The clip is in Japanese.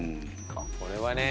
これはね